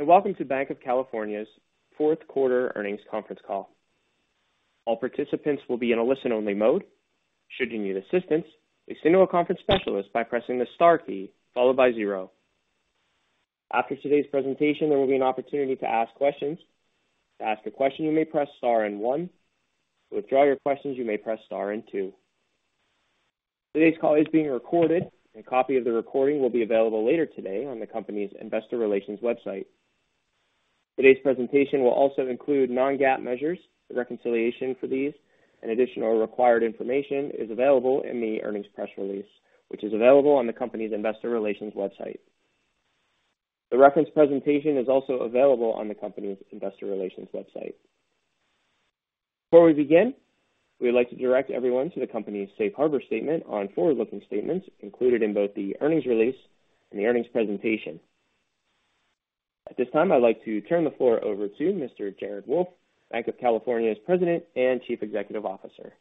Welcome to Banc of California's Fourth Quarter Earnings Conference Call. All participants will be in a listen-only mode. Should you need assistance, please signal a conference specialist by pressing the star key followed by zero. After today's presentation, there will be an opportunity to ask questions. To ask a question, you may press star and one. To withdraw your questions, you may press star and two. Today's call is being recorded, and a copy of the recording will be available later today on the company's investor relations website. Today's presentation will also include non-GAAP measures. The reconciliation for these and additional required information is available in the earnings press release, which is available on the company's investor relations website. The reference presentation is also available on the company's investor relations website. Before we begin, we'd like to direct everyone to the company's Safe Harbor statement on forward-looking statements included in both the earnings release and the earnings presentation. At this time, I'd like to turn the floor over to Mr. Jared Wolff, Banc of California's President and Chief Executive Officer.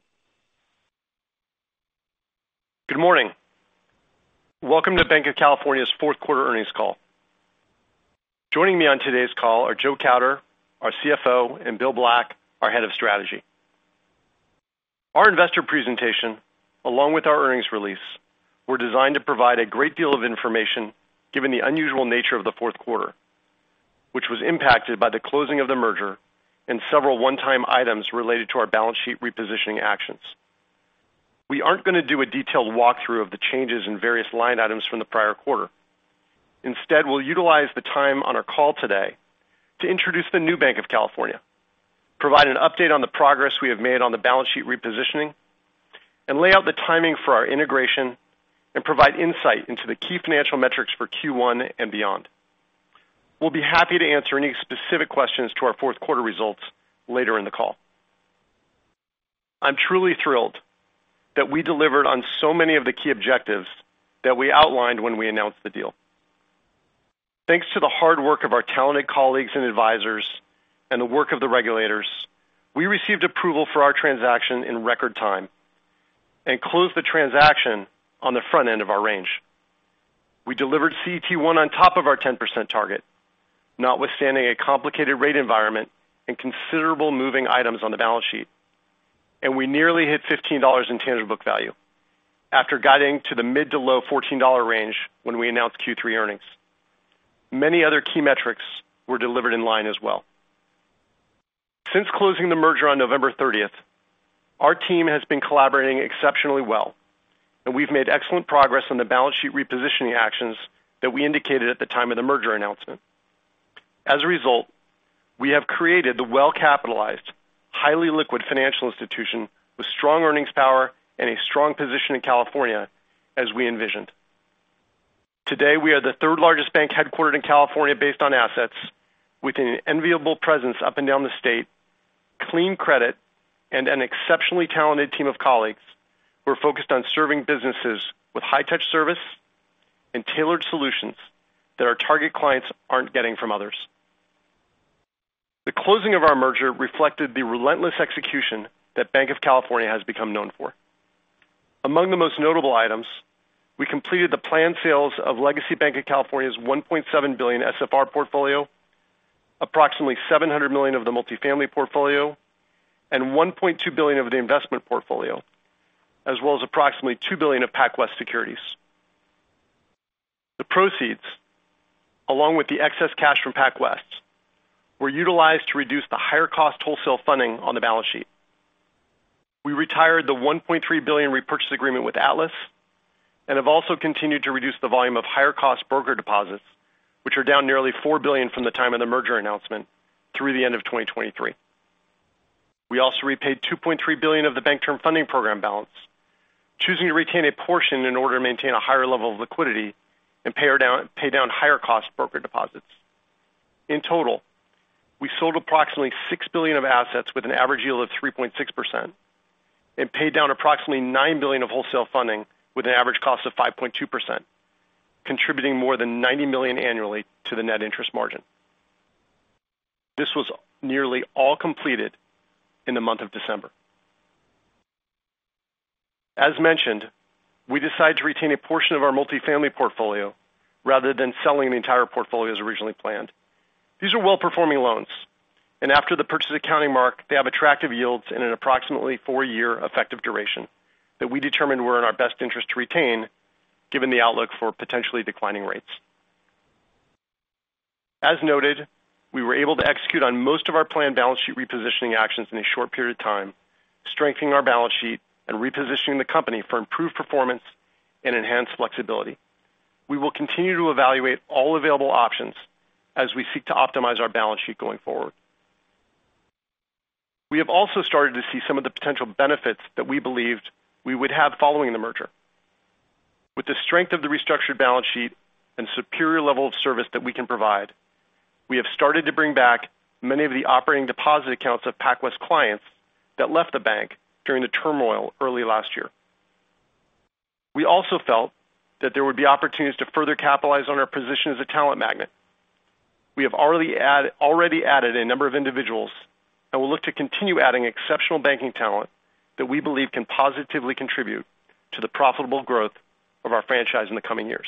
Good morning. Welcome to Banc of California's Fourth Quarter Earnings Call. Joining me on today's call are Joe Kauder, our CFO, and Bill Black, our Head of Strategy. Our investor presentation, along with our earnings release, were designed to provide a great deal of information given the unusual nature of the fourth quarter, which was impacted by the closing of the merger and several one-time items related to our balance sheet repositioning actions. We aren't going to do a detailed walkthrough of the changes in various line items from the prior quarter. Instead, we'll utilize the time on our call today to introduce the new Banc of California, provide an update on the progress we have made on the balance sheet repositioning, and lay out the timing for our integration and provide insight into the key financial metrics for Q1 and beyond. We'll be happy to answer any specific questions to our fourth quarter results later in the call. I'm truly thrilled that we delivered on so many of the key objectives that we outlined when we announced the deal. Thanks to the hard work of our talented colleagues and advisors and the work of the regulators, we received approval for our transaction in record time and closed the transaction on the front end of our range. We delivered CET1 on top of our 10% target, notwithstanding a complicated rate environment and considerable moving items on the balance sheet, and we nearly hit $15 in tangible book value after guiding to the mid- to low-$14 range when we announced Q3 earnings. Many other key metrics were delivered in line as well. Since closing the merger on November 30, our team has been collaborating exceptionally well, and we've made excellent progress on the balance sheet repositioning actions that we indicated at the time of the merger announcement. As a result, we have created the well-capitalized, highly liquid financial institution with strong earnings power and a strong position in California, as we envisioned. Today, we are the third-largest bank headquartered in California based on assets, with an enviable presence up and down the state, clean credit and an exceptionally talented team of colleagues who are focused on serving businesses with high-touch service and tailored solutions that our target clients aren't getting from others. The closing of our merger reflected the relentless execution that Banc of California has become known for. Among the most notable items, we completed the planned sales of legacy Banc of California's $1.7 billion SFR portfolio, approximately $700 million of the multifamily portfolio, and $1.2 billion of the investment portfolio, as well as approximately $2 billion of PacWest securities. The proceeds, along with the excess cash from PacWest, were utilized to reduce the higher cost wholesale funding on the balance sheet. We retired the $1.3 billion repurchase agreement with Atlas and have also continued to reduce the volume of higher-cost broker deposits, which are down nearly $4 billion from the time of the merger announcement through the end of 2023. We also repaid $2.3 billion of the Bank Term Funding Program balance, choosing to retain a portion in order to maintain a higher level of liquidity and pay down higher cost broker deposits. In total, we sold approximately $6 billion of assets with an average yield of 3.6% and paid down approximately $9 billion of wholesale funding with an average cost of 5.2%, contributing more than $90 million annually to the net interest margin. This was nearly all completed in the month of December. As mentioned, we decided to retain a portion of our multifamily portfolio rather than selling the entire portfolio as originally planned. These are well-performing loans, and after the purchase accounting mark, they have attractive yields and an approximately 4-year effective duration that we determined were in our best interest to retain, given the outlook for potentially declining rates. As noted, we were able to execute on most of our planned balance sheet repositioning actions in a short period of time, strengthening our balance sheet and repositioning the company for improved performance and enhanced flexibility. We will continue to evaluate all available options as we seek to optimize our balance sheet going forward. We have also started to see some of the potential benefits that we believed we would have following the merger. With the strength of the restructured balance sheet and superior level of service that we can provide, we have started to bring back many of the operating deposit accounts of PacWest clients that left the bank during the turmoil early last year. We also felt that there would be opportunities to further capitalize on our position as a talent magnet. We have already added a number of individuals. We'll look to continue adding exceptional banking talent that we believe can positively contribute to the profitable growth of our franchise in the coming years.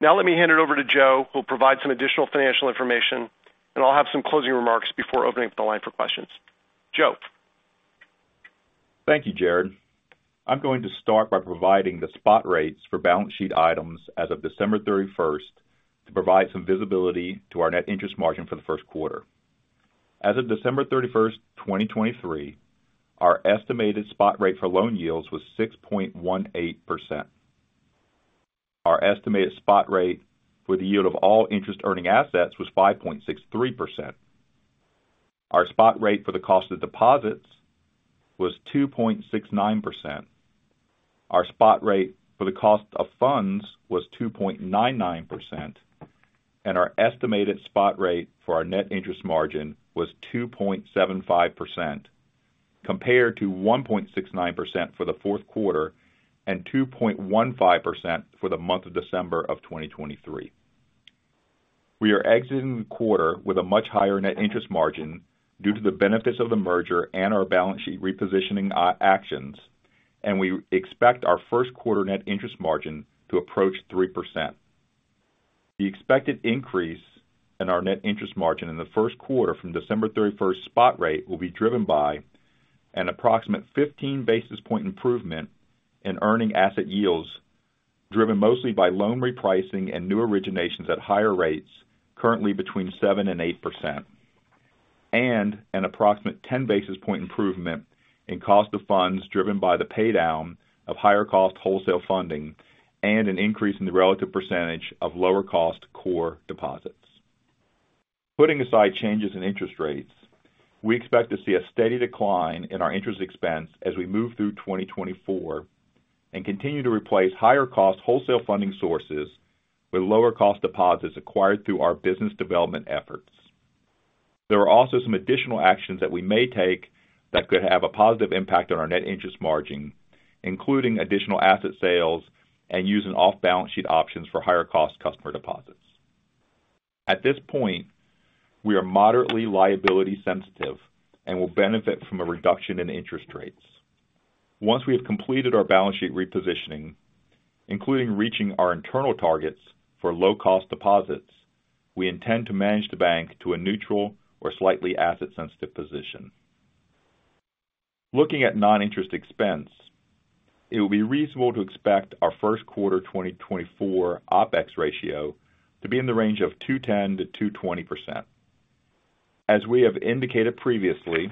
Now, let me hand it over to Joe, who will provide some additional financial information, and I'll have some closing remarks before opening up the line for questions. Joe? Thank you, Jared. I'm going to start by providing the spot rates for balance sheet items as of December 31, to provide some visibility to our net interest margin for the first quarter. As of December 31, 2023, our estimated spot rate for loan yields was 6.18%. Our estimated spot rate for the yield of all interest-earning assets was 5.63%. Our spot rate for the cost of deposits was 2.69%. Our spot rate for the cost of funds was 2.99%, and our estimated spot rate for our net interest margin was 2.75%, compared to 1.69% for the fourth quarter and 2.15% for the month of December 2023. We are exiting the quarter with a much higher net interest margin due to the benefits of the merger and our balance sheet repositioning, actions, and we expect our first quarter net interest margin to approach 3%. The expected increase in our net interest margin in the first quarter from December 31 spot rate will be driven by an approximate 15 basis point improvement in earning asset yields, driven mostly by loan repricing and new originations at higher rates, currently between 7% and 8%, and an approximate 10 basis point improvement in cost of funds, driven by the paydown of higher cost wholesale funding and an increase in the relative percentage of lower cost core deposits. Putting aside changes in interest rates, we expect to see a steady decline in our interest expense as we move through 2024, and continue to replace higher cost wholesale funding sources with lower cost deposits acquired through our business development efforts. There are also some additional actions that we may take that could have a positive impact on our net interest margin, including additional asset sales and using off-balance sheet options for higher cost customer deposits. At this point, we are moderately liability sensitive and will benefit from a reduction in interest rates. Once we have completed our balance sheet repositioning, including reaching our internal targets for low-cost deposits, we intend to manage the bank to a neutral or slightly asset-sensitive position. Looking at non-interest expense, it will be reasonable to expect our first quarter 2024 OpEx ratio to be in the range of 2.10%-2.20%. As we have indicated previously,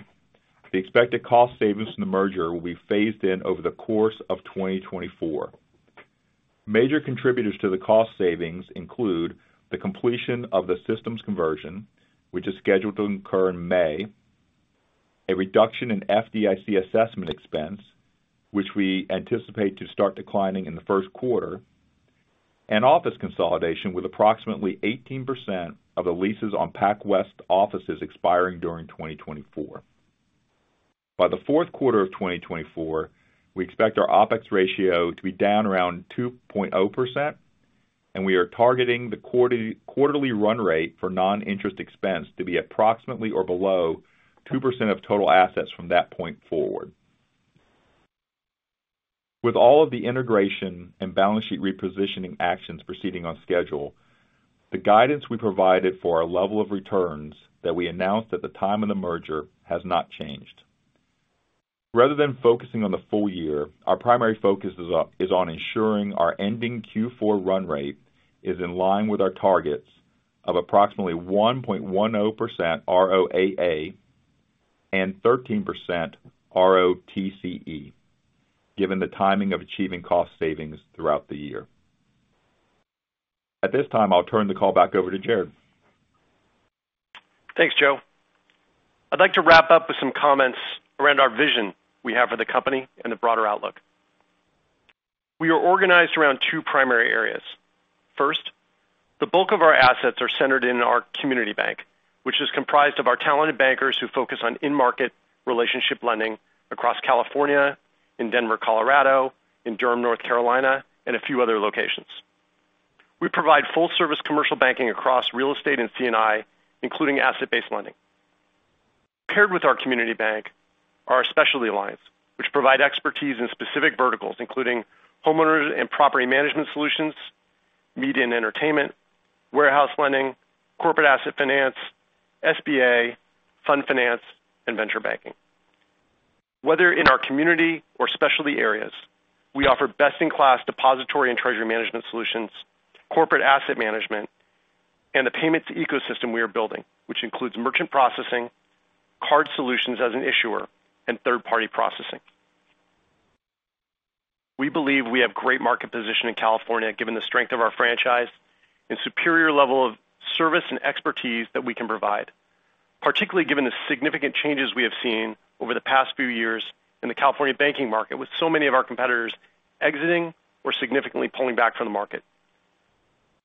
the expected cost savings from the merger will be phased in over the course of 2024. Major contributors to the cost savings include the completion of the systems conversion, which is scheduled to occur in May, a reduction in FDIC assessment expense, which we anticipate to start declining in the first quarter, and office consolidation, with approximately 18% of the leases on PacWest offices expiring during 2024. By the fourth quarter of 2024, we expect our OpEx ratio to be down around 2.0%, and we are targeting the quarterly run rate for non-interest expense to be approximately or below 2% of total assets from that point forward. With all of the integration and balance sheet repositioning actions proceeding on schedule, the guidance we provided for our level of returns that we announced at the time of the merger has not changed. Rather than focusing on the full year, our primary focus is on ensuring our ending Q4 run rate is in line with our targets of approximately 1.10% ROAA and 13% ROTCE, given the timing of achieving cost savings throughout the year. At this time, I'll turn the call back over to Jared. Thanks, Joe. I'd like to wrap up with some comments around our vision we have for the company and the broader outlook. We are organized around two primary areas. First, the bulk of our assets are centered in our community bank, which is comprised of our talented bankers who focus on in-market relationship lending across California, in Denver, Colorado, in Durham, North Carolina, and a few other locations. We provide full-service commercial banking across real estate and C&I, including asset-based lending. Paired with our community bank, are our specialty alliance, which provide expertise in specific verticals, including homeowners and property management solutions, media and entertainment, warehouse lending, corporate asset finance, SBA, fund finance, and venture banking. Whether in our community or specialty areas, we offer best-in-class depository and treasury management solutions, corporate asset management, and the payments ecosystem we are building, which includes merchant processing, card solutions as an issuer, and third-party processing. We believe we have great market position in California, given the strength of our franchise and superior level of service and expertise that we can provide, particularly given the significant changes we have seen over the past few years in the California banking market, with so many of our competitors exiting or significantly pulling back from the market.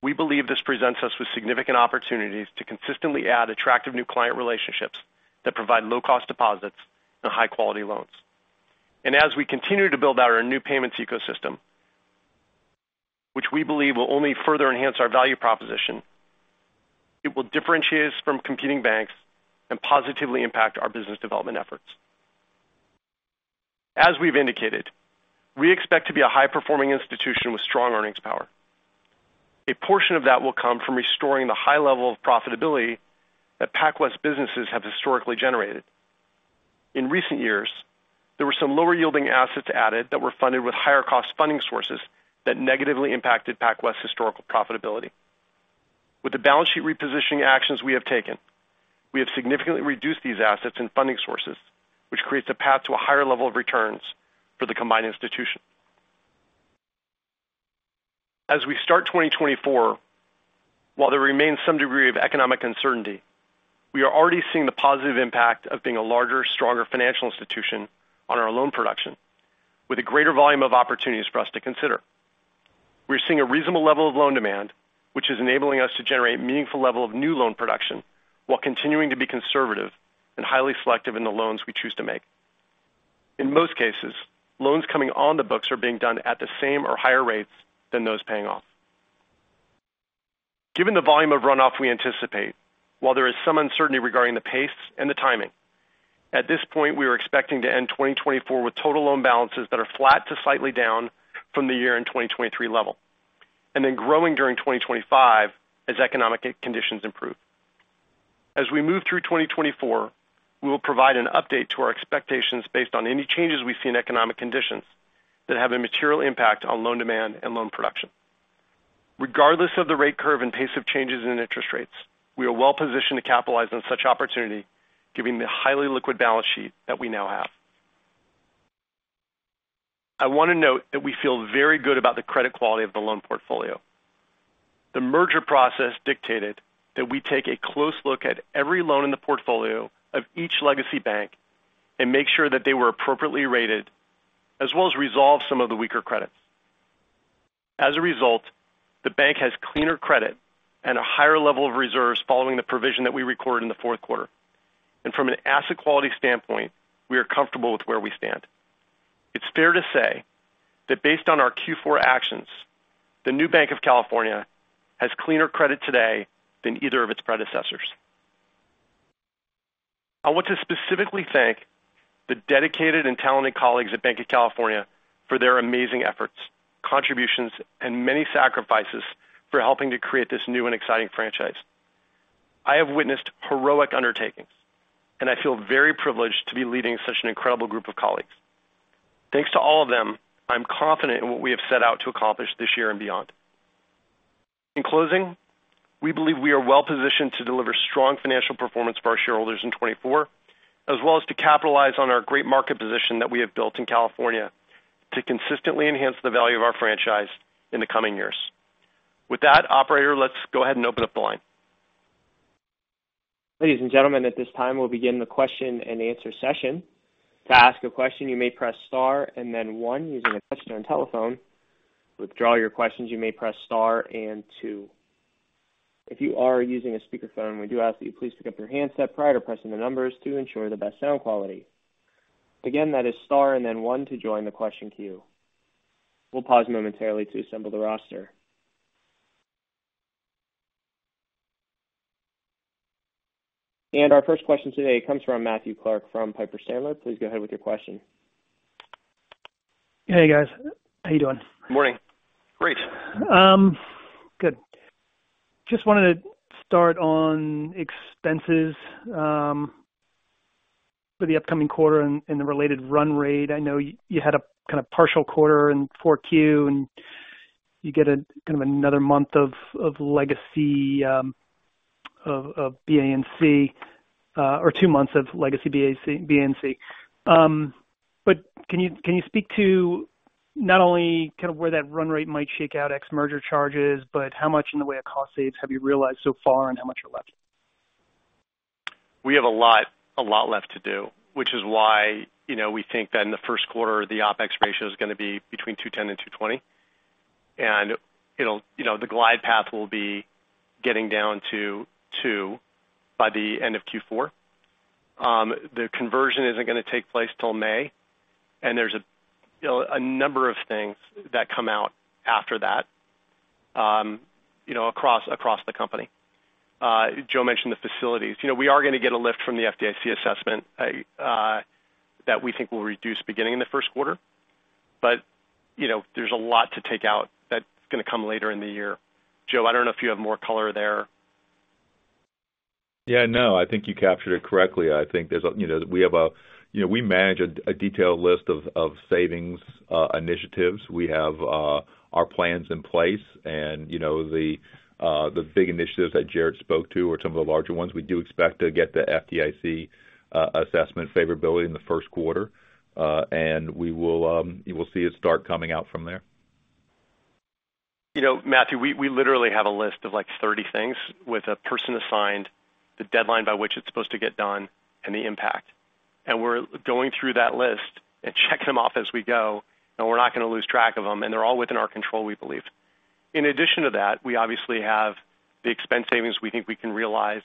We believe this presents us with significant opportunities to consistently add attractive new client relationships that provide low-cost deposits and high-quality loans. As we continue to build out our new payments ecosystem, which we believe will only further enhance our value proposition. It will differentiate us from competing banks and positively impact our business development efforts. As we've indicated, we expect to be a high-performing institution with strong earnings power. A portion of that will come from restoring the high level of profitability that PacWest businesses have historically generated. In recent years, there were some lower-yielding assets added that were funded with higher-cost funding sources that negatively impacted PacWest's historical profitability. With the balance sheet repositioning actions we have taken, we have significantly reduced these assets and funding sources, which creates a path to a higher level of returns for the combined institution. As we start 2024, while there remains some degree of economic uncertainty, we are already seeing the positive impact of being a larger, stronger financial institution on our loan production with a greater volume of opportunities for us to consider. We're seeing a reasonable level of loan demand, which is enabling us to generate meaningful level of new loan production while continuing to be conservative and highly selective in the loans we choose to make. In most cases, loans coming on the books are being done at the same or higher rates than those paying off. Given the volume of runoff we anticipate, while there is some uncertainty regarding the pace and the timing, at this point, we are expecting to end 2024 with total loan balances that are flat to slightly down from the year-end 2023 level, and then growing during 2025 as economic conditions improve. As we move through 2024, we will provide an update to our expectations based on any changes we see in economic conditions that have a material impact on loan demand and loan production. Regardless of the rate curve and pace of changes in interest rates, we are well positioned to capitalize on such opportunity, given the highly liquid balance sheet that we now have. I want to note that we feel very good about the credit quality of the loan portfolio. The merger process dictated that we take a close look at every loan in the portfolio of each legacy bank and make sure that they were appropriately rated, as well as resolve some of the weaker credits. As a result, the bank has cleaner credit and a higher level of reserves following the provision that we recorded in the fourth quarter. From an asset quality standpoint, we are comfortable with where we stand. It's fair to say that based on our Q4 actions, the new Banc of California has cleaner credit today than either of its predecessors. I want to specifically thank the dedicated and talented colleagues at Banc of California for their amazing efforts, contributions, and many sacrifices for helping to create this new and exciting franchise. I have witnessed heroic undertakings, and I feel very privileged to be leading such an incredible group of colleagues. Thanks to all of them, I'm confident in what we have set out to accomplish this year and beyond. In closing, we believe we are well positioned to deliver strong financial performance for our shareholders in 2024, as well as to capitalize on our great market position that we have built in California to consistently enhance the value of our franchise in the coming years. With that, operator, let's go ahead and open up the line. Ladies and gentlemen, at this time, we'll begin the question-and-answer session. To ask a question, you may press star and then one on your telephone. To withdraw your question, you may press star and two. If you are using a speakerphone, we do ask that you please pick up your handset prior to pressing the numbers to ensure the best sound quality. Again, that is star and then one to join the question queue. We'll pause momentarily to assemble the roster. And our first question today comes from Matthew Clark from Piper Sandler. Please go ahead with your question. Hey, guys. How you doing? Good morning. Great. Good. Just wanted to start on expenses for the upcoming quarter and the related run rate. I know you had a partial quarter in Q4, and you get another month of legacy Banc, or two months of legacy Banc. But can you speak to not only where that run rate might shake out ex-merger charges, but how much in the way of cost saves have you realized so far, and how much are left? We have a lot, a lot left to do, which is why, you know, we think that in the first quarter, the OpEx ratio is going to be between 210 and 220. It'll, you know, the glide path will be getting down to 2 by the end of Q4. The conversion isn't going to take place till May, and there's, you know, a number of things that come out after that, you know, across the company. Joe mentioned the facilities. You know, we are going to get a lift from the FDIC assessment that we think will reduce beginning in the first quarter. But, you know, there's a lot to take out that's going to come later in the year. Joe, I don't know if you have more color there. Yeah, no, I think you captured it correctly. I think there's a you know, we have a. You know, we manage a detailed list of savings initiatives. We have our plans in place, and you know, the big initiatives that Jared spoke to are some of the larger ones. We do expect to get the FDIC assessment favorability in the first quarter, and we will you will see it start coming out from there. You know, Matthew, we literally have a list of, like, 30 things with a person assigned, the deadline by which it's supposed to get done, and the impact. We're going through that list and check them off as we go, and we're not going to lose track of them, and they're all within our control, we believe. In addition to that, we obviously have the expense savings we think we can realize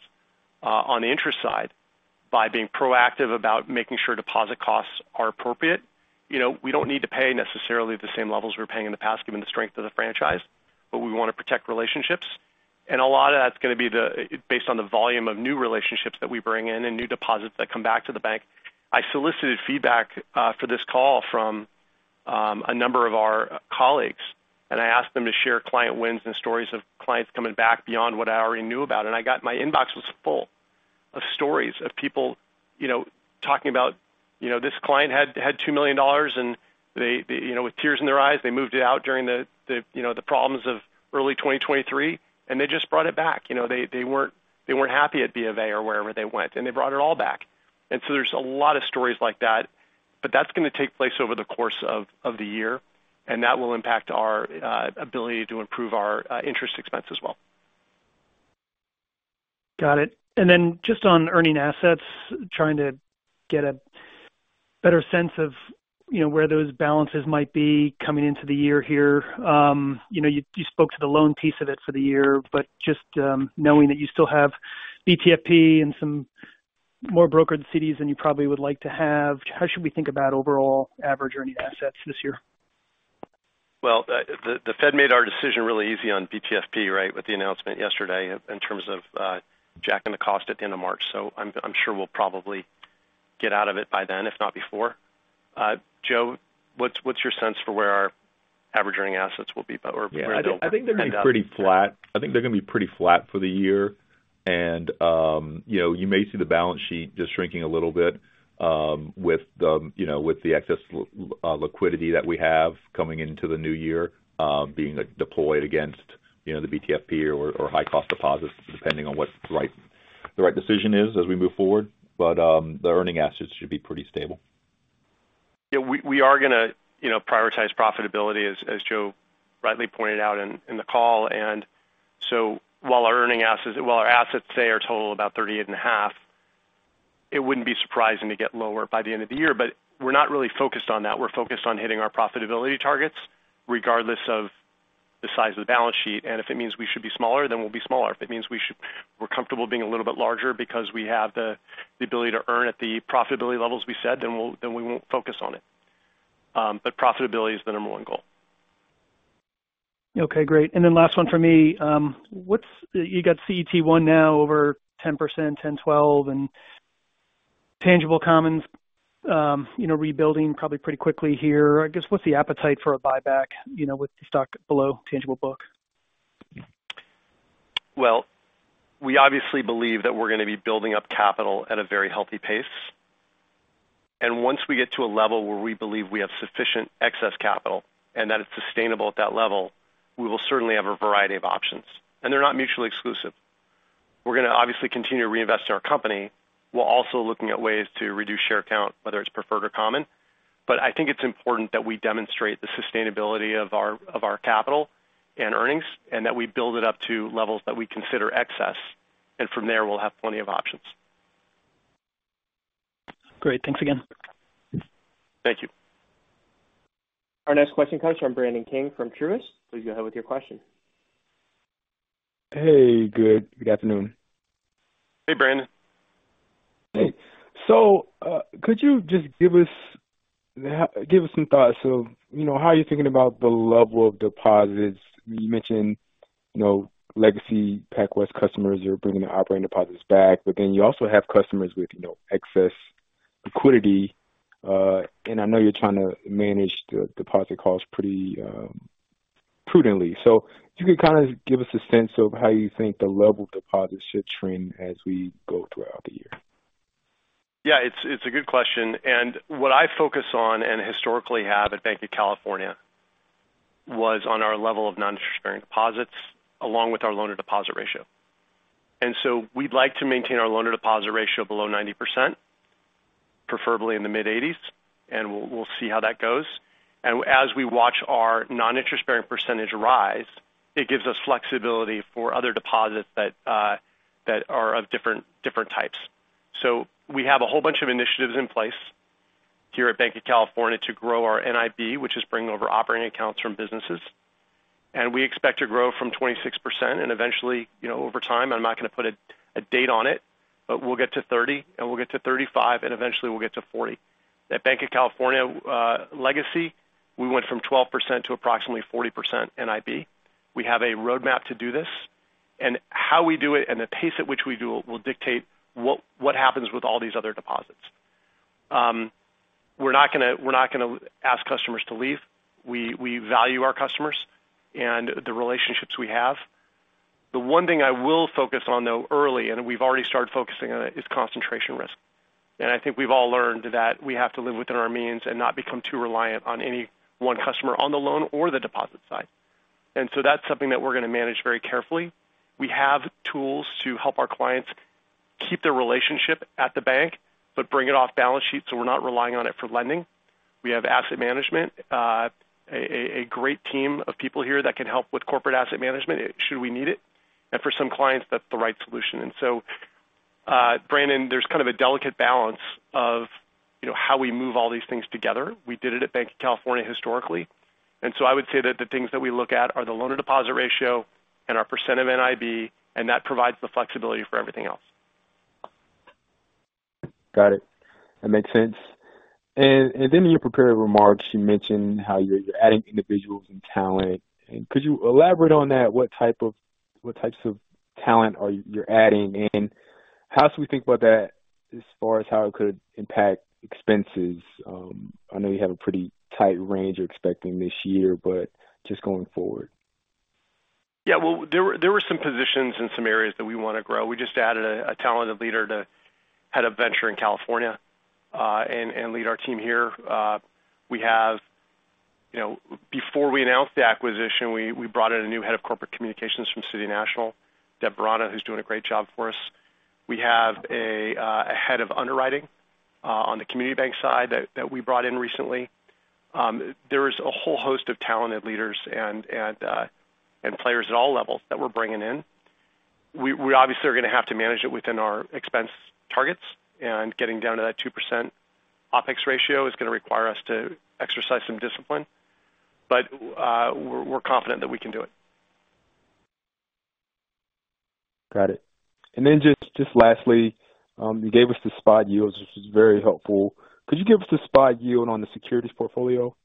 on the interest side by being proactive about making sure deposit costs are appropriate. You know, we don't need to pay necessarily the same levels we were paying in the past, given the strength of the franchise, but we want to protect relationships. And a lot of that's going to be based on the volume of new relationships that we bring in and new deposits that come back to the bank. I solicited feedback for this call from a number of our colleagues, and I asked them to share client wins and stories of clients coming back beyond what I already knew about. And I got my inbox was full of stories of people, you know, talking about, you know, this client had $2 million, and they you know with tears in their eyes they moved it out during the you know the problems of early 2023, and they just brought it back. You know, they weren't happy at BofA or wherever they went, and they brought it all back. And so there's a lot of stories like that, but that's going to take place over the course of the year, and that will impact our ability to improve our interest expense as well. Got it. And then just on earning assets, trying to get a better sense of, you know, where those balances might be coming into the year here. You know, you spoke to the loan piece of it for the year, but just, knowing that you still have BTFP and some more brokered CDs than you probably would like to have, how should we think about overall average earning assets this year? Well, the Fed made our decision really easy on BTFP, right, with the announcement yesterday in terms of jacking the cost at the end of March. So I'm sure we'll probably get out of it by then, if not before. Joe, what's your sense for where our average earning assets will be or where they'll end up? I think they're going to be pretty flat. I think they're going to be pretty flat for the year. You know, you may see the balance sheet just shrinking a little bit, with the excess liquidity that we have coming into the new year, being deployed against the BTFP or high-cost deposits, depending on what's the right decision as we move forward. The earning assets should be pretty stable. Yeah, we are gonna, you know, prioritize profitability, as Joe rightly pointed out in the call. And so while our assets today total about $38.5 billion, it wouldn't be surprising to get lower by the end of the year, but we're not really focused on that. We're focused on hitting our profitability targets, regardless of the size of the balance sheet. And if it means we should be smaller, then we'll be smaller. If it means we should be a little bit larger, we're comfortable being a little bit larger because we have the ability to earn at the profitability levels we said, then we won't focus on it. But profitability is the number one goal. Okay, great. And then last one for me. What's. You got CET1 now over 10%, 10-12, and tangible common, you know, rebuilding probably pretty quickly here. I guess, what's the appetite for a buyback, you know, with the stock below tangible book? Well, we obviously believe that we're going to be building up capital at a very healthy pace. Once we get to a level where we believe we have sufficient excess capital and that it's sustainable at that level, we will certainly have a variety of options. They're not mutually exclusive. We're going to obviously continue to reinvest in our company. We're also looking at ways to reduce share count, whether it's preferred or common. I think it's important that we demonstrate the sustainability of our capital and earnings, and that we build it up to levels that we consider excess, and from there, we'll have plenty of options. Great. Thanks again. Thank you. Our next question comes from Brandon King from Truist. Please go ahead with your question. Hey, good. Good afternoon. Hey, Brandon. Hey. So, could you just give us some thoughts of, you know, how you're thinking about the level of deposits? You mentioned, you know, legacy PacWest customers are bringing their operating deposits back, but then you also have customers with, you know, excess liquidity. And I know you're trying to manage the deposit costs pretty prudently. So if you could kind of give us a sense of how you think the level of deposits should trend as we go throughout the year. Yeah, it's, it's a good question, and what I focus on and historically have at Banc of California was on our level of non-interest-bearing deposits, along with our loan-to-deposit ratio. And so we'd like to maintain our loan-to-deposit ratio below 90%, preferably in the mid-80s, and we'll, we'll see how that goes. And as we watch our non-interest-bearing percentage rise, it gives us flexibility for other deposits that, that are of different, different types. So we have a whole bunch of initiatives in place here at Banc of California to grow our NIB, which is bringing over operating accounts from businesses. And we expect to grow from 26% and eventually, you know, over time, I'm not going to put a, a date on it, but we'll get to 30, and we'll get to 35, and eventually we'll get to 40. At Banc of California, legacy, we went from 12% to approximately 40% NIB. We have a roadmap to do this, and how we do it and the pace at which we do it will dictate what, what happens with all these other deposits. We're not gonna—we're not gonna ask customers to leave. We, we value our customers and the relationships we have. The one thing I will focus on, though, early, and we've already started focusing on it, is concentration risk. I think we've all learned that we have to live within our means and not become too reliant on any one customer, on the loan or the deposit side. So that's something that we're going to manage very carefully. We have tools to help our clients keep their relationship at the bank, but bring it off balance sheet, so we're not relying on it for lending. We have asset management, a great team of people here that can help with corporate asset management, should we need it. For some clients, that's the right solution. So, Brandon, there's kind of a delicate balance of how we move all these things together. We did it at Banc of California historically. So I would say that the things that we look at are the loan-to-deposit ratio and our percent of NIB, and that provides the flexibility for everything else. Got it. That makes sense. And then in your prepared remarks, you mentioned how you're adding individuals and talent. Could you elaborate on that? What types of talent are you adding? And how should we think about that as far as how it could impact expenses? I know you have a pretty tight range you're expecting this year, but just going forward. Yeah, well, there were some positions in some areas that we want to grow. We just added a talented leader to head a venture in California, and lead our team here. We have—you know, before we announced the acquisition, we brought in a new head of corporate communications from Citi Debra Vrana, who's doing a great job for us. We have a head of underwriting on the community bank side that we brought in recently. There is a whole host of talented leaders and players at all levels that we're bringing in. We obviously are going to have to manage it within our expense targets, and getting down to that 2% OpEx ratio is going to require us to exercise some discipline, but we're confident that we can do it. Got it. And then just, just lastly, you gave us the SPID yields, which is very helpful. Could you give us the SPID yield on the securities portfolio?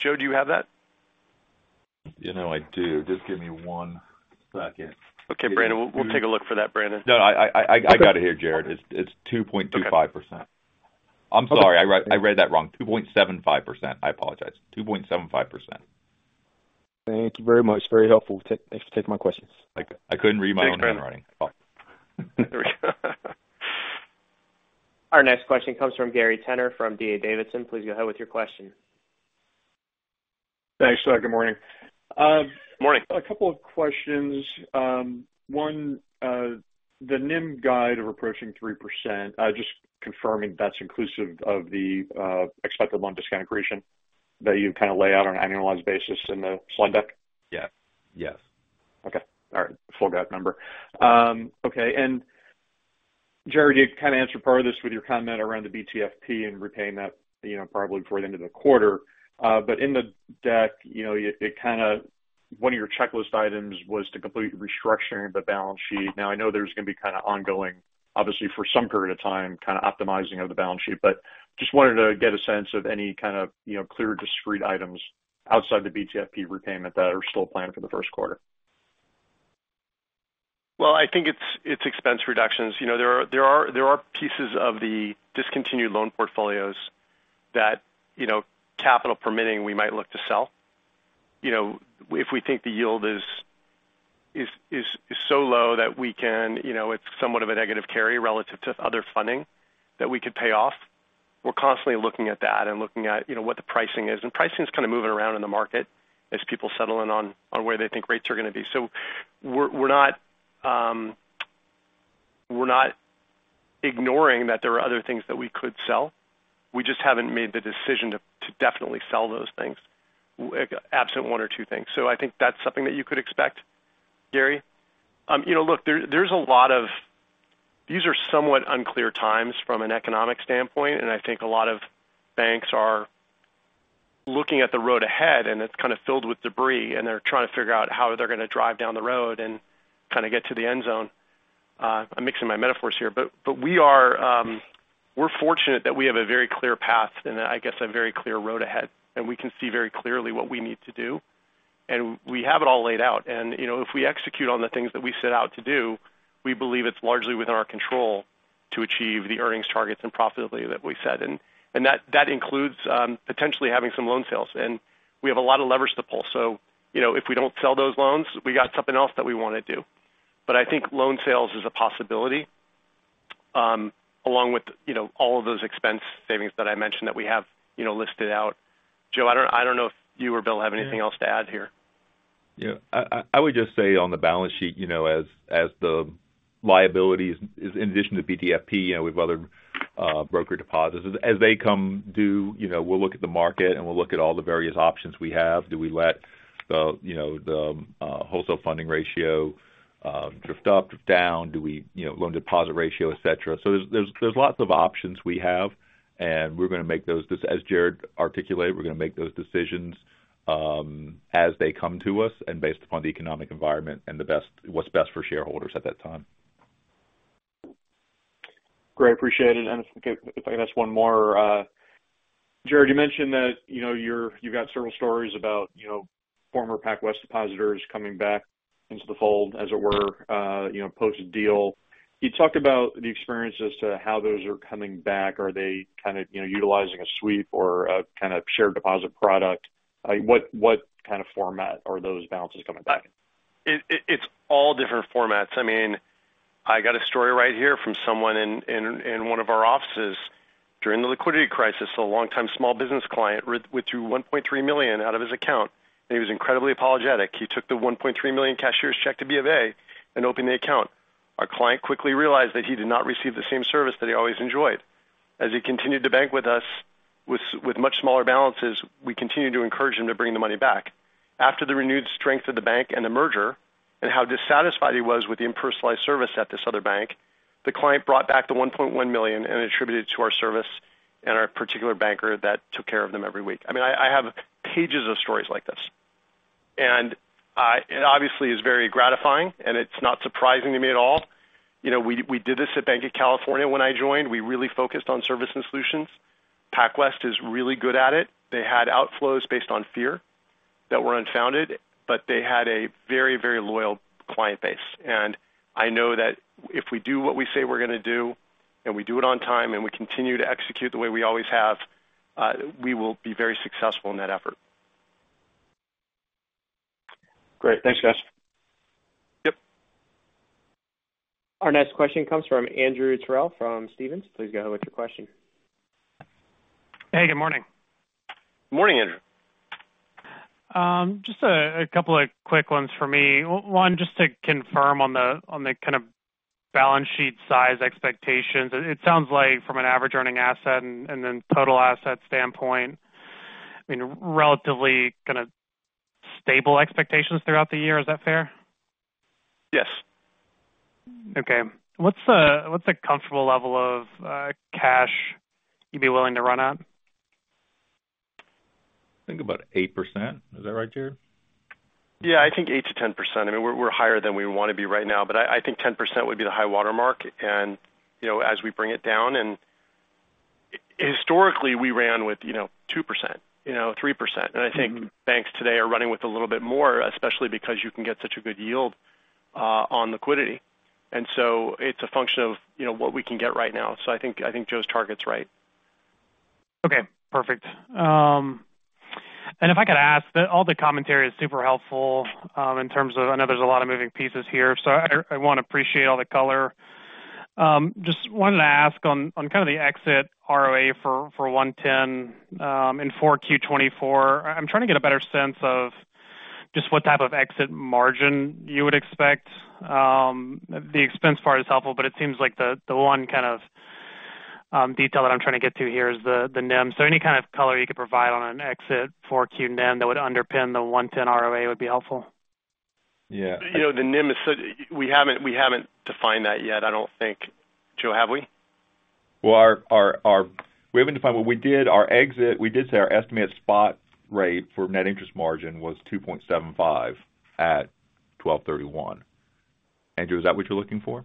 Joe, do you have that? You know, I do. Just give me one second. Okay, Brandon. We'll, we'll take a look for that, Brandon. No, I got it here, Jared. It's 2.25%. I'm sorry, I read that wrong. 2.75%. I apologize. 2.75%. Thank you very much. Very helpful. Thanks for taking my questions. I couldn't read my own handwriting. Our next question comes from Gary Tenner, from D.A. Davidson. Please go ahead with your question. Thanks. Good morning. Good morning. A couple of questions. One, the NIM guide of approaching 3%, just confirming that's inclusive of the expected loan discount accretion that you kind of lay out on an annualized basis in the slide deck? Yeah. Yes. Okay. All right. Full guide number. Okay, and Jared, you kind of answered part of this with your comment around the BTFP and repaying that, you know, probably before the end of the quarter. But in the deck, you know, it, it kind of—one of your checklist items was to complete restructuring of the balance sheet. Now, I know there's going to be kind of ongoing, obviously, for some period of time, kind of optimizing of the balance sheet, but just wanted to get a sense of any kind of, you know, clear, discrete items outside the BTFP repayment that are still planned for the first quarter. Well, I think it's expense reductions. You know, there are pieces of the discontinued loan portfolios that, you know, capital permitting, we might look to sell. You know, if we think the yield is so low that we can, you know, it's somewhat of a negative carry relative to other funding that we could pay off. We're constantly looking at that and looking at, you know, what the pricing is. And pricing is kind of moving around in the market as people settle in on where they think rates are going to be. So we're not ignoring that there are other things that we could sell. We just haven't made the decision to definitely sell those things absent one or two things. So I think that's something that you could expect, Gary. You know, look, there, there's a lot of... These are somewhat unclear times from an economic standpoint, and I think a lot of banks are looking at the road ahead, and it's kind of filled with debris, and they're trying to figure out how they're going to drive down the road and kind of get to the end zone. I'm mixing my metaphors here, but, but we are, we're fortunate that we have a very clear path and I guess, a very clear road ahead, and we can see very clearly what we need to do, and we have it all laid out. And, you know, if we execute on the things that we set out to do, we believe it's largely within our control to achieve the earnings targets and profitability that we set. And, that includes potentially having some loan sales. We have a lot of leverage to pull. So, you know, if we don't sell those loans, we got something else that we want to do. But I think loan sales is a possibility, along with, you know, all of those expense savings that I mentioned that we have, you know, listed out. Joe, I don't, I don't know if you or Bill have anything else to add here. Yeah. I would just say on the balance sheet, you know, as the liabilities is in addition to BTFP, you know, with other broker deposits, as they come due, you know, we'll look at the market, and we'll look at all the various options we have. Do we let the, you know, the wholesale funding ratio drift up, drift down? Do we, you know, loan deposit ratio, et cetera. So there's lots of options we have, and we're going to make thoseas Jared articulated, we're going to make those decisions, as they come to us and based upon the economic environment and the best—what's best for shareholders at that time. Great. Appreciate it. And if I could ask one more. Jared, you mentioned that, you know, you got several stories about, you know, former PacWest depositors coming back into the fold, as it were, you know, post-deal. You talked about the experience as to how those are coming back. Are they kind of, you know, utilizing a sweep or a kind of shared deposit product? What kind of format are those balances coming back in? It's all different formats. I mean, I got a story right here from someone in one of our offices. During the liquidity crisis, a longtime small business client withdrew $1.3 million out of his account, and he was incredibly apologetic. He took the $1.3 million cashier's check to BofA and opened the account. Our client quickly realized that he did not receive the same service that he always enjoyed. As he continued to bank with us with much smaller balances, we continued to encourage him to bring the money back. After the renewed strength of the bank and the merger, and how dissatisfied he was with the impersonal service at this other bank, the client brought back the $1.1 million and attributed it to our service and our particular banker that took care of them every week. I mean, I have pages of stories like this, and it obviously is very gratifying, and it's not surprising to me at all. You know, we did this at Banc of California when I joined. We really focused on service and solutions. PacWest is really good at it. They had outflows based on fear that were unfounded, but they had a very, very loyal client base. And I know that if we do what we say we're going to do, and we do it on time, and we continue to execute the way we always have, we will be very successful in that effort. Great. Thanks, guys. Yep. Our next question comes from Andrew Terrell, from Stephens. Please go ahead with your question. Hey, good morning. Morning, Andrew. Just a couple of quick ones for me. One, just to confirm on the kind of balance sheet size expectations. It sounds like from an average earning asset and then total asset standpoint, I mean, relatively kind of stable expectations throughout the year. Is that fair? Yes. Okay. What's a comfortable level of cash you'd be willing to run at? I think about 8%. Is that right, Jared? Yeah, I think 8%-10%. I mean, we're higher than we want to be right now, but I think 10% would be the high watermark. And, you know, as we bring it down and historically, we ran with, you know, 2%, you know, 3% I think banks today are running with a little bit more, especially because you can get such a good yield on liquidity. So it's a function of, you know, what we can get right now. I think, I think Joe's target's right. Okay, perfect. And if I could ask, all the commentary is super helpful, in terms of I know there's a lot of moving pieces here, so I want to appreciate all the color. Just wanted to ask on, on kind of the exit ROA for 1.10, and for Q 2024. I'm trying to get a better sense of just what type of exit margin you would expect. The expense part is helpful, but it seems like the one kind of detail that I'm trying to get to here is the NIM. So any kind of color you could provide on an exit for Q NIM that would underpin the 1.10 ROA would be helpful. Yeah. You know, the NIM is we haven't, we haven't defined that yet, I don't think. Joe, have we? Well, our we haven't defined, but we did our exit. We did say our estimated spot rate for net interest margin was 2.75% at 12/31. Andrew, is that what you're looking for?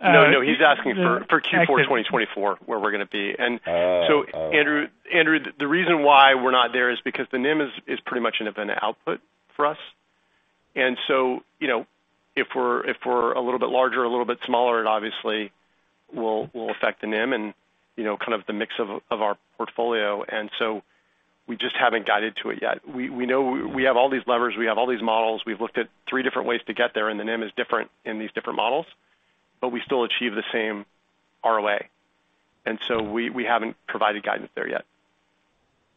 No, no, he's asking for, for Q4 2024, where we're going to be. Oh, oh. Andrew, Andrew, the reason why we're not there is because the NIM is, is pretty much an event output for us. You know, if we're, if we're a little bit larger or a little bit smaller, it obviously will, will affect the NIM and, you know, kind of the mix of, of our portfolio, and so we just haven't guided to it yet. We, we know we have all these levers, we have all these models. We've looked at three different ways to get there, and the NIM is different in these different models, but we still achieve the same ROA, and so we, we haven't provided guidance there yet.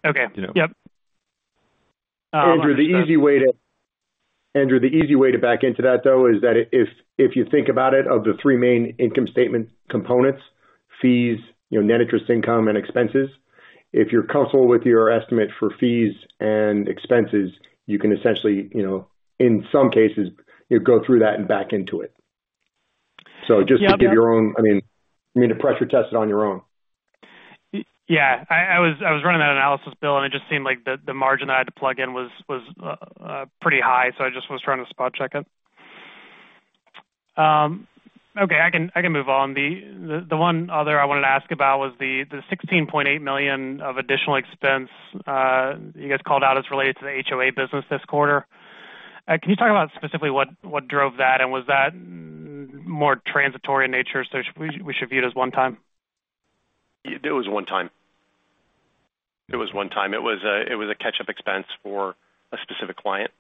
Okay. Yep. Andrew, the easy way to back into that, though, is that if, if you think about it, of the three main income statement components, fees, you know, net interest, income and expenses, if you're comfortable with your estimate for fees and expenses, you can essentially, you know, in some cases, you go through that and back into it. Yep, yep. Just to give your own. I mean, to pressure test it on your own. Yeah, I was running that analysis, Bill, and it just seemed like the margin I had to plug in was pretty high, so I just was trying to spot check it. Okay, I can move on. The one other I wanted to ask about was the $16.8 million of additional expense you guys called out as related to the HOA business this quarter. Can you talk about specifically what drove that, and was that more transitory in nature, so we should view it as one time? It was one time. It was one time. It was a catch-up expense for a specific client,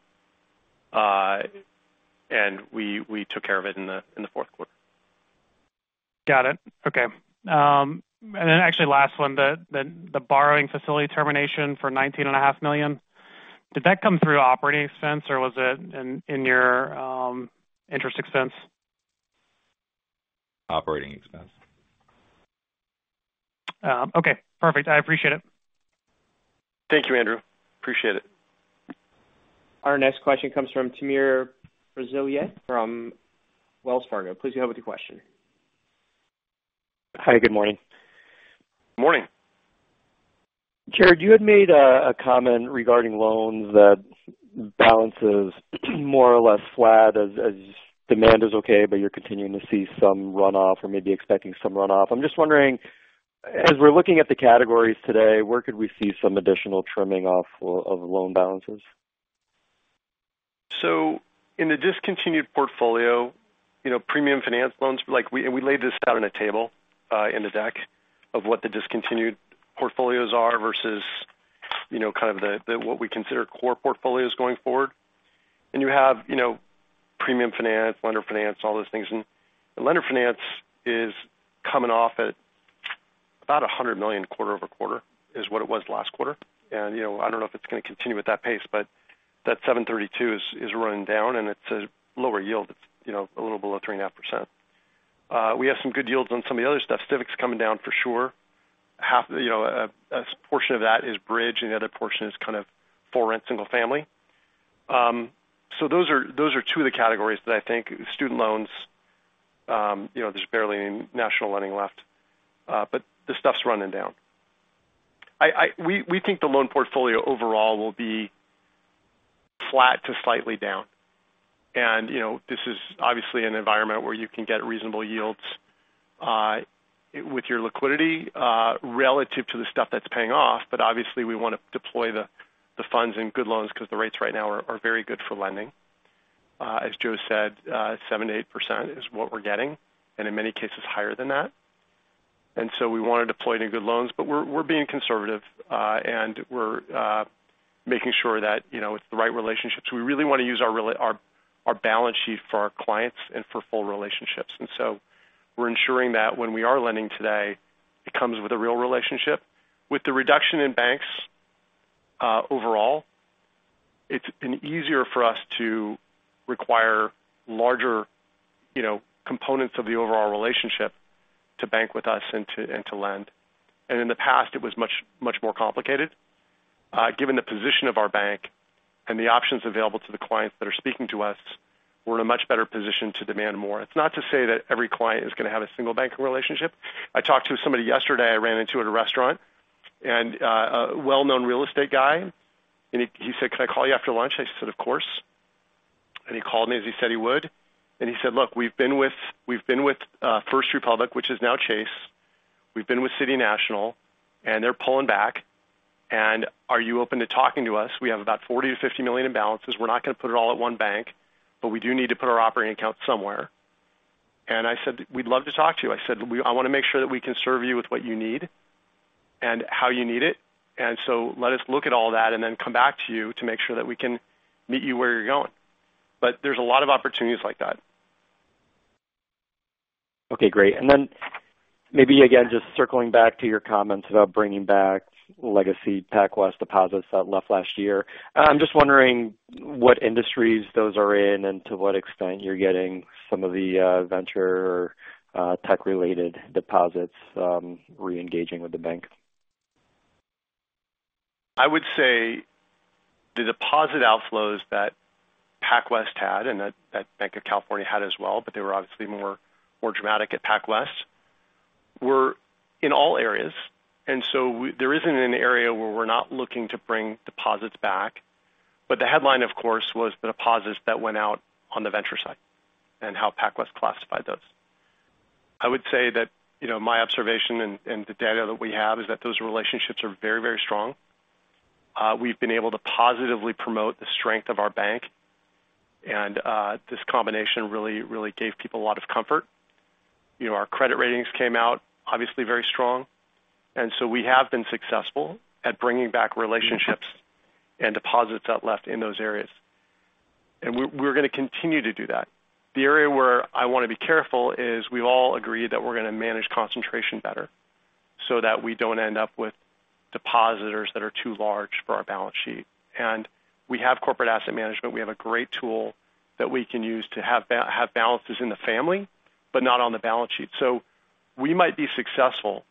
and we took care of it in the fourth quarter. Got it. Okay. And then actually, last one, the borrowing facility termination for $19.5 million, did that come through operating expense or was it in your interest expense? Operating expense. Okay, perfect. I appreciate it. Thank you, Andrew. Appreciate it. Our next question comes from Timur Braziler, from Wells Fargo. Please go ahead with your question. Hi, good morning. Morning. Jared, you had made a comment regarding loans that balances more or less flat as demand is okay, but you're continuing to see some runoff or maybe expecting some runoff. I'm just wondering, as we're looking at the categories today, where could we see some additional trimming off of loan balances? So in the discontinued portfolio, you know, premium finance loans, and we laid this out in a table, in the deck of what the discontinued portfolios are versus, you know, kind of the what we consider core portfolios going forward. And you have, you know, premium finance, lender finance, all those things. And the lender finance is coming off at about $100 million quarter-over-quarter, is what it was last quarter. And, you know, I don't know if it's going to continue at that pace, but. That 7.32 is running down and it's a lower yield, you know, a little below 3.5%. We have some good yields on some of the other stuff. Civic's coming down for sure. Half, you know, a portion of that is bridge, and the other portion is kind of for rent, single family. So those are two of the categories that I think student loans, you know, there's barely any national lending left, but this stuff's running down. We think the loan portfolio overall will be flat to slightly down. And, you know, this is obviously an environment where you can get reasonable yields with your liquidity relative to the stuff that's paying off. But obviously, we want to deploy the funds in good loans because the rates right now are very good for lending. As Joe said, 7%-8% is what we're getting, and in many cases higher than that. We want to deploy any good loans, but we're being conservative, and we're making sure that, you know, it's the right relationships. We really want to use our balance sheet for our clients and for full relationships. We're ensuring that when we are lending today, it comes with a real relationship. With the reduction in banks overall, it's been easier for us to require larger, you know, components of the overall relationship to bank with us and to lend. And in the past, it was much, much more complicated. Given the position of our bank and the options available to the clients that are speaking to us, we're in a much better position to demand more. It's not to say that every client is going to have a single banking relationship. I talked to somebody yesterday, I ran into at a restaurant, and a well-known real estate guy, and he, he said: "Can I call you after lunch?" I said, "Of course." And he called me, as he said he would. And he said, "Look, we've been with, we've been with First Republic, which is now Chase. We've been with City National, and they're pulling back. And are you open to talking to us? We have about $40 million-$50 million in balances. We're not going to put it all at one bank, but we do need to put our operating account somewhere." And I said, "We'd love to talk to you." I said, "I want to make sure that we can serve you with what you need and how you need it. And so let us look at all that and then come back to you to make sure that we can meet you where you're going." There's a lot of opportunities like that. Okay, great. And then maybe, again, just circling back to your comments about bringing back legacy PacWest deposits that left last year. I'm just wondering what industries those are in and to what extent you're getting some of the venture tech-related deposits reengaging with the bank? I would say the deposit outflows that PacWest had and that Banc of California had as well, but they were obviously more, more dramatic at PacWest, were in all areas. And so there isn't an area where we're not looking to bring deposits back. But the headline, of course, was the deposits that went out on the venture side and how PacWest classified those. I would say that, you know, my observation and the data that we have is that those relationships are very, very strong. We've been able to positively promote the strength of our bank, and this combination really, really gave people a lot of comfort. You know, our credit ratings came out obviously very strong, and so we have been successful at bringing back relationships and deposits that left in those areas. And we're, we're gonna continue to do that. The area where I want to be careful is we've all agreed that we're gonna manage concentration better so that we don't end up with depositors that are too large for our balance sheet. We have corporate asset management. We have a great tool that we can use to have have balances in the family, but not on the balance sheet. We might be successful,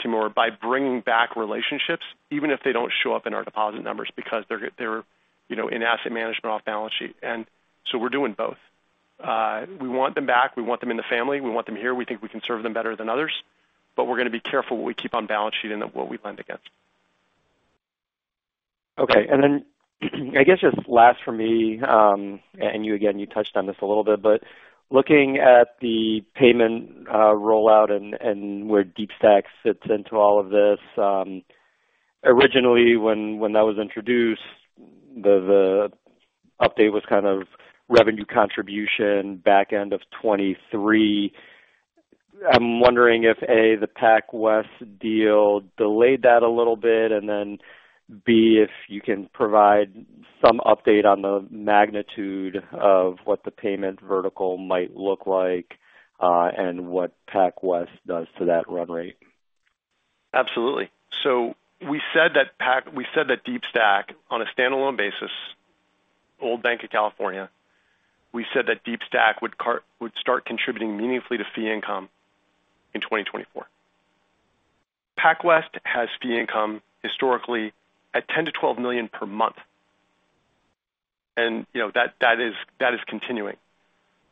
Timur, by bringing back relationships, even if they don't show up in our deposit numbers, because they're they're, you know, in asset management off balance sheet. So we're doing both. We want them back. We want them in the family. We want them here. We think we can serve them better than others, but we're gonna be careful what we keep on balance sheet and what we lend against. Okay. And then, I guess just last for me, and you again, you touched on this a little bit, but looking at the payment rollout and where Deepstack fits into all of this, originally, when that was introduced, the update was kind of revenue contribution back end of 2023. I'm wondering if, A, the PacWest deal delayed that a little bit, and then, B, if you can provide some update on the magnitude of what the payment vertical might look like, and what PacWest does to that run rate. Absolutely. So we said that Deepstack, on a standalone basis, old Banc of California, we said that Deepstack would start contributing meaningfully to fee income in 2024. PacWest has fee income historically at $10 million-$12 million per month. And, you know, that, that is, that is continuing.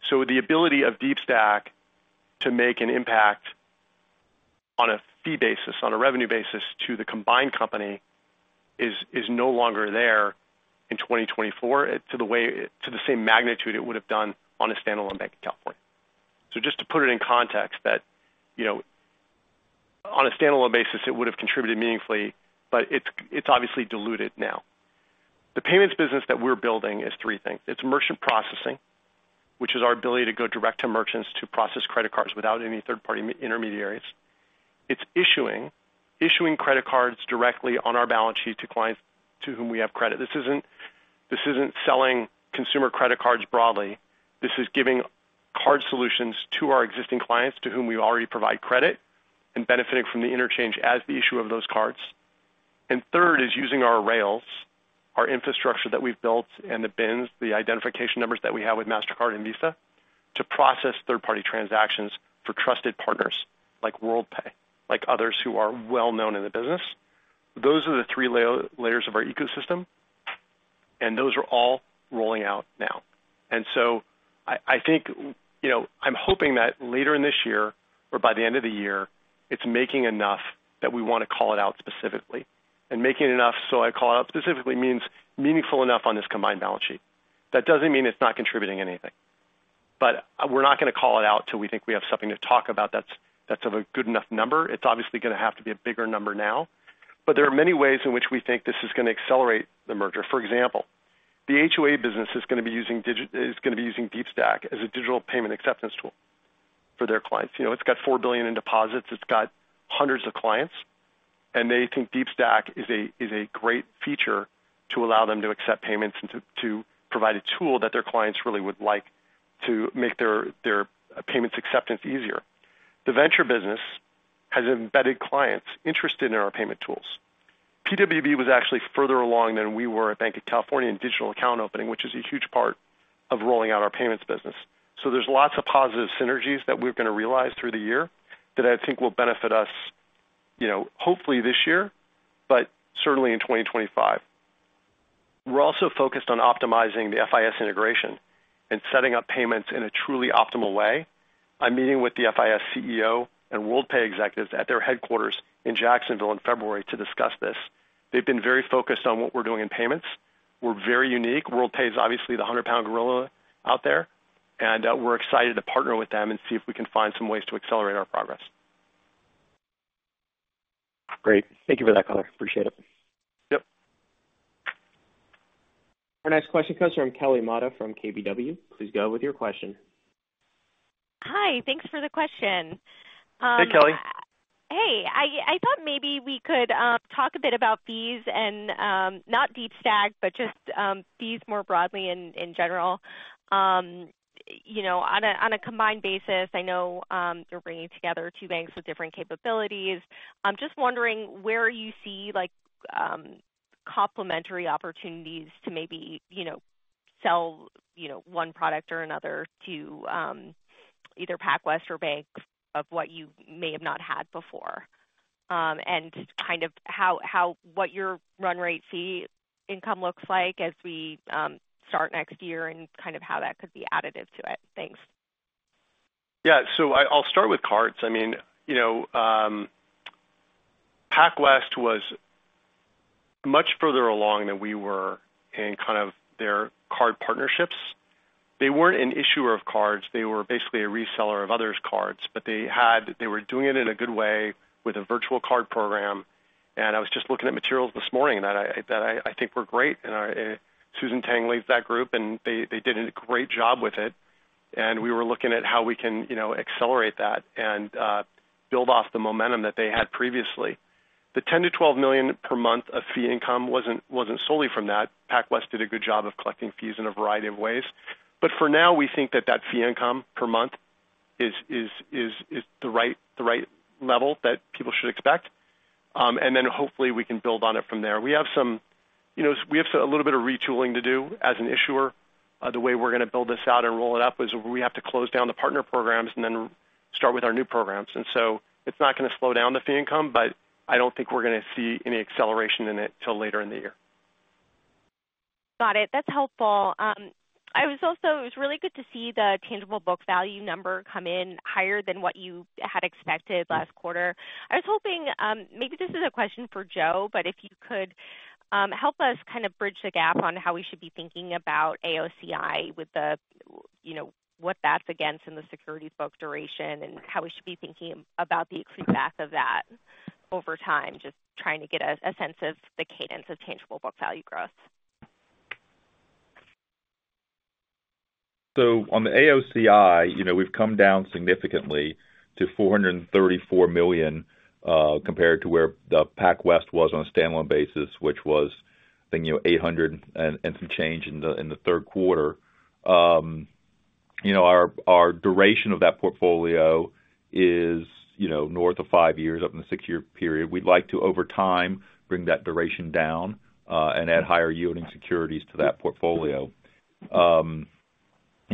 So the ability of Deepstack to make an impact on a fee basis, on a revenue basis to the combined company is, is no longer there in 2024 to the same magnitude it would have done on a standalone Banc of California. So just to put it in context, that, you know, on a standalone basis, it would have contributed meaningfully, but it's, it's obviously diluted now. The payments business that we're building is three things: It's merchant processing, which is our ability to go direct to merchants to process credit cards without any third-party intermediaries. It's issuing credit cards directly on our balance sheet to clients to whom we have credit. This isn't, this isn't selling consumer credit cards broadly. This is giving card solutions to our existing clients, to whom we already provide credit, and benefiting from the interchange as the issuer of those cards. And third is using our rails, our infrastructure that we've built, and the BINs, the identification numbers that we have with Mastercard and Visa, to process third-party transactions for trusted partners like Worldpay, like others who are well known in the business. Those are the three layers of our ecosystem, and those are all rolling out now. I think, you know, I'm hoping that later in this year or by the end of the year, it's making enough that we want to call it out specifically. Making enough so I call it out specifically means meaningful enough on this combined balance sheet. That doesn't mean it's not contributing anything. But we're not going to call it out till we think we have something to talk about that's of a good enough number. It's obviously going to have to be a bigger number now, but there are many ways in which we think this is going to accelerate the merger. For example, the HOA business is going to be using Deepstack as a digital payment acceptance tool for their clients. You know, it's got $4 billion in deposits. It's got hundreds of clients, and they think Deepstack is a great feature to allow them to accept payments and to provide a tool that their clients really would like to make their payments acceptance easier. The venture business has embedded clients interested in our payment tools. PWV was actually further along than we were at Banc of California in digital account opening, which is a huge part of rolling out our payments business. So there's lots of positive synergies that we're going to realize through the year that I think will benefit us, you know, hopefully this year, but certainly in 2025. We're also focused on optimizing the FIS integration and setting up payments in a truly optimal way. I'm meeting with the FIS CEO and Worldpay executives at their headquarters in Jacksonville in February to discuss this. They've been very focused on what we're doing in payments. We're very unique. Worldpay is obviously the 100-pound gorilla out there, and we're excited to partner with them and see if we can find some ways to accelerate our progress. Great. Thank you for that color. Appreciate it. Yep. Our next question comes from Kelly Motta from KBW. Please go with your question. Hi, thanks for the question. Hey, Kelly. Hey, I thought maybe we could talk a bit about fees and not Deepstack, but just fees more broadly in general. You know, on a combined basis, I know you're bringing together two banks with different capabilities. I'm just wondering where you see, like, complementary opportunities to maybe, you know, sell one product or another to either PacWest or Banc of what you may have not had before. And kind of how what your run rate fee income looks like as we start next year and kind of how that could be additive to it. Thanks. Yeah. So I'll start with cards. I mean, you know, PacWest was much further along than we were in kind of their card partnerships. They weren't an issuer of cards. They were basically a reseller of others' cards, but they had. They were doing it in a good way with a virtual card program. And I was just looking at materials this morning that I think were great. And Susan Tang leads that group, and they did a great job with it. And we were looking at how we can, you know, accelerate that and build off the momentum that they had previously. The $10 million-$12 million per month of fee income wasn't solely from that. PacWest did a good job of collecting fees in a variety of ways. But for now, we think that that fee income per month is the right level that people should expect. And then hopefully we can build on it from there. You know, we have a little bit of retooling to do as an issuer. The way we're going to build this out and roll it up is we have to close down the partner programs and then start with our new programs. And so it's not going to slow down the fee income, but I don't think we're going to see any acceleration in it till later in the year. Got it. That's helpful. It was really good to see the tangible book value number come in higher than what you had expected last quarter. I was hoping, maybe this is a question for Joe, but if you could help us kind of bridge the gap on how we should be thinking about AOCI with the, you know, what that's against in the securities book duration and how we should be thinking about the accrue back of that over time. Just trying to get a sense of the cadence of tangible book value growth. So on the AOCI, you know, we've come down significantly to $434 million, compared to where the PacWest was on a standalone basis, which was, I think, you know, $800 and some change in the third quarter. You know, our duration of that portfolio is, you know, north of 5 years, up in the 6-year period. We'd like to, over time, bring that duration down, and add higher-yielding securities to that portfolio. You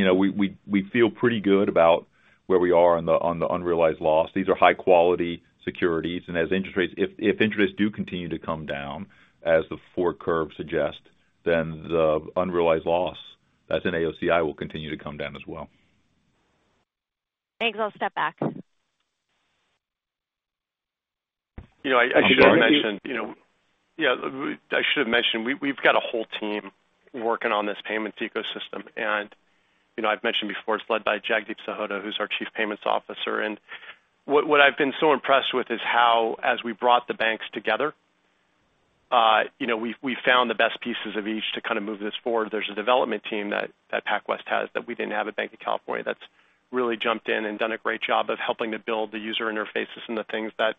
know, we feel pretty good about where we are on the unrealized loss. These are high-quality securities, and as interest rates, if interest rates do continue to come down, as the forward curve suggests, then the unrealized loss as an AOCI will continue to come down as well. Thanks. I'll step back. You know, I should have mentioned, you know. Yeah, I should have mentioned, we've got a whole team working on this payments ecosystem. And, you know, I've mentioned before, it's led by Jagdeep Sahota, who's our Chief Payments Officer. And what I've been so impressed with is how, as we brought the banks together, you know, we found the best pieces of each to kind of move this forward. There's a development team that PacWest has, that we didn't have at Banc of California, that's really jumped in and done a great job of helping to build the user interfaces and the things that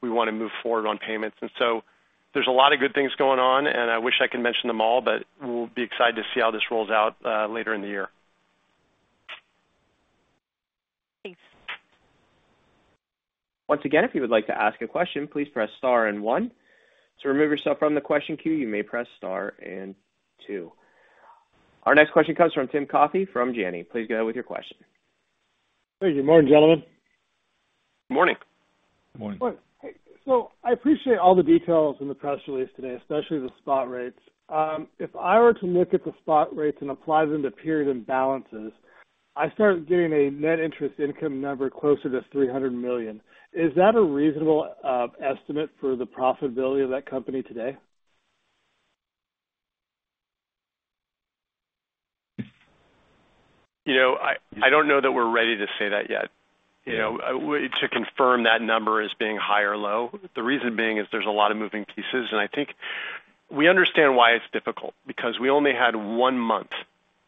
we want to move forward on payments. And so there's a lot of good things going on, and I wish I could mention them all, but we'll be excited to see how this rolls out later in the year. Thanks. Once again, if you would like to ask a question, please press Star and One. To remove yourself from the question queue, you may press Star and Two. Our next question comes from Tim Coffey from Janney. Please go ahead with your question. Thank you. Good morning, gentlemen. Morning. Good morning. I appreciate all the details in the press release today, especially the spot rates. If I were to look at the spot rates and apply them to period-end balances, I start getting a net interest income number closer to $300 million. Is that a reasonable estimate for the profitability of that company today? You know, I don't know that we're ready to say that yet. You know, we to confirm that number as being high or low. The reason being is there's a lot of moving pieces, and I think we understand why it's difficult, because we only had one month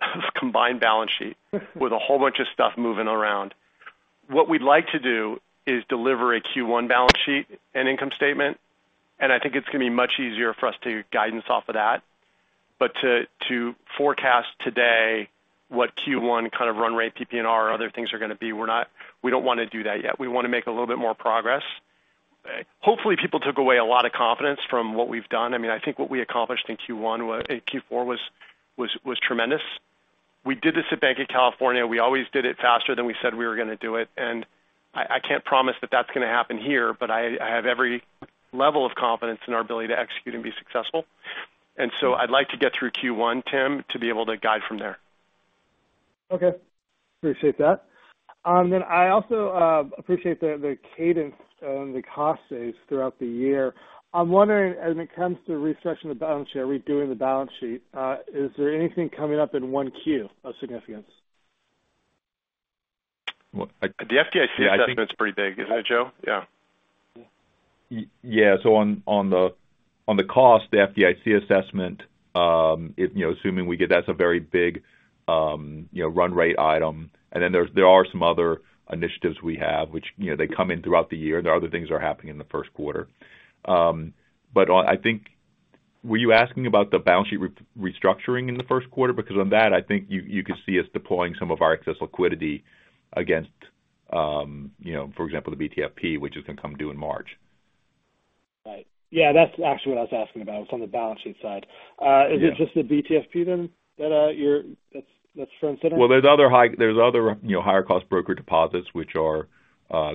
of combined balance sheet with a whole bunch of stuff moving around. What we'd like to do is deliver a Q1 balance sheet and income statement, and I think it's going to be much easier for us to guidance off of that. But to forecast today what Q1 kind of run rate PPNR or other things are going to be, we're not. We don't want to do that yet. We want to make a little bit more progress. Okay. Hopefully, people took away a lot of confidence from what we've done. I mean, I think what we accomplished in Q4 was tremendous. We did this at Banc of California. We always did it faster than we said we were going to do it, and I can't promise that that's going to happen here, but I have every level of confidence in our ability to execute and be successful. And so I'd like to get through Q1, Tim, to be able to guide from there. Okay, appreciate that. Then I also appreciate the, the cadence and the cost saves throughout the year. I'm wondering, as it comes to restructuring the balance sheet, redoing the balance sheet, is there anything coming up in 1Q of significance? Well, the FDIC assessment is pretty big, isn't it, Joe? Yeah. Yeah. So on the cost, the FDIC assessment, if, you know, assuming we get, that's a very big, you know, run rate item, and then there are some other initiatives we have, which, you know, they come in throughout the year. There are other things that are happening in the first quarter. But I think were you asking about the balance sheet restructuring in the first quarter? Because on that, I think you could see us deploying some of our excess liquidity against, you know, for example, the BTFP, which is going to come due in March. Right. Yeah, that's actually what I was asking about. It's on the balance sheet side. Yeah. Is it just the BTFP then that's for considering? Well, there's other, you know, higher-cost broker deposits which are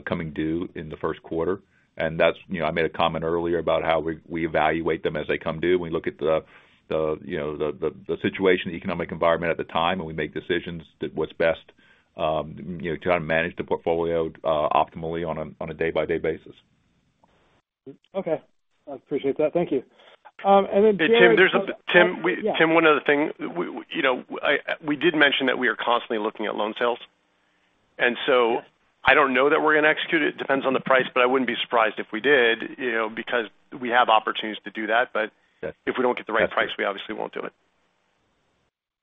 coming due in the first quarter. And that's, you know, I made a comment earlier about how we evaluate them as they come due. We look at the, you know, the situation, the economic environment at the time, and we make decisions that what's best, you know, to try to manage the portfolio optimally on a day-by-day basis. Okay, I appreciate that. Thank you. And then, Jared- Tim, there's a... Tim- Yeah. Tim, one other thing. We, you know, I, we did mention that we are constantly looking at loan sales, and so I don't know that we're going to execute it. It depends on the price, but I wouldn't be surprised if we did, you know, because we have opportunities to do that. Yeah. But if we don't get the right price, we obviously won't do it.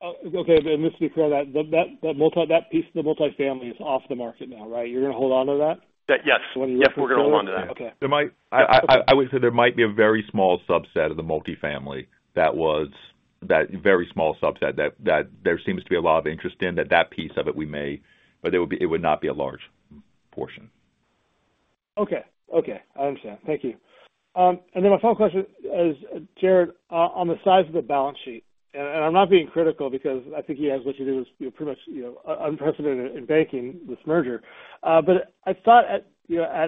Oh, okay. But just to be clear, that piece of the multifamily is off the market now, right? You're going to hold on to that? Yes. Yes, we're going to hold on to that. Okay. I would say there might be a very small subset of the multifamily, that very small subset that there seems to be a lot of interest in, that piece of it we may, but it would not be a large portion. Okay. Okay, I understand. Thank you. And then my final question is, Jared, on the size of the balance sheet, and I'm not being critical because I think you guys, what you do is, you know, pretty much, you know, unprecedented in banking, this merger. But I thought at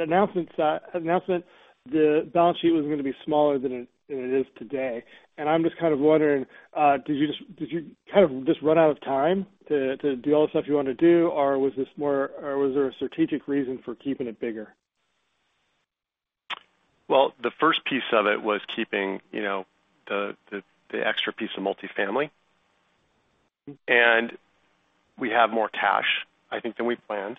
announcement, you know, the balance sheet was going to be smaller than it is today. And I'm just kind of wondering, did you kind of just run out of time to do all the stuff you want to do, or was this more, or was there a strategic reason for keeping it bigger? Well, the first piece of it was keeping, you know, the extra piece of multifamily. We have more cash, I think, than we planned,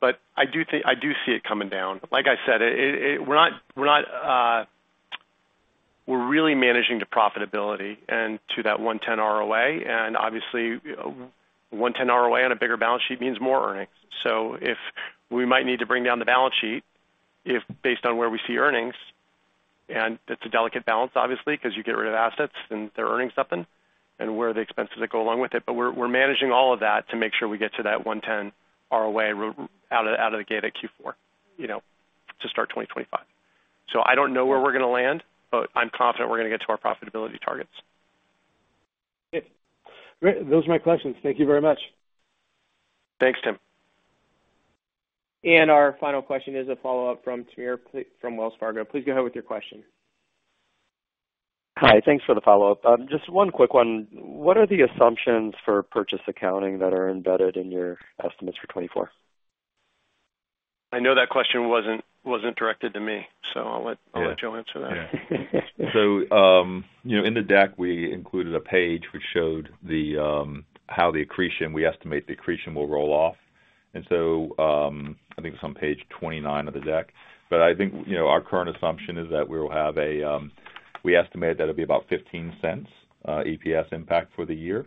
but I do think—I do see it coming down. Like I said, it, we're not, we're really managing to profitability and to that 1.10 ROA, and obviously, 1.10 ROA on a bigger balance sheet means more earnings. So if we might need to bring down the balance sheet, if based on where we see earnings, and it's a delicate balance, obviously, because you get rid of assets and they're earning something, and where are the expenses that go along with it? But we're managing all of that to make sure we get to that 1.10 ROA right out of the gate at Q4, you know, to start 2025. So I don't know where we're going to land, but I'm confident we're going to get to our profitability targets. Okay. Great. Those are my questions. Thank you very much. Thanks, Tim. Our final question is a follow-up from Timur from Wells Fargo. Please go ahead with your question. Hi. Thanks for the follow-up. Just one quick one: What are the assumptions for purchase accounting that are embedded in your estimates for 2024? I know that question wasn't directed to me, so I'll let- Yeah. I'll let Joe answer that. So, you know, in the deck, we included a page which showed the, how the accretion, we estimate the accretion will roll off. And so, I think it's on page 29 of the deck. But I think, you know, our current assumption is that we will have a, we estimate that it'll be about $0.15 EPS impact for the year,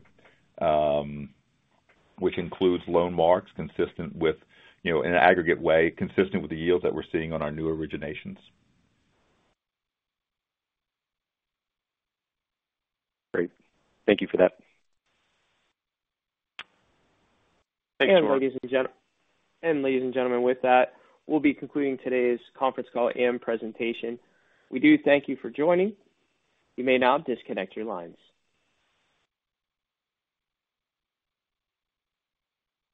which includes loan marks consistent with, you know, in an aggregate way, consistent with the yields that we're seeing on our new originations. Great. Thank you for that. Ladies and gentlemen, with that, we'll be concluding today's conference call and presentation. We do thank you for joining. You may now disconnect your lines.